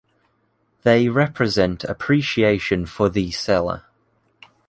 They represent appreciation for the seller.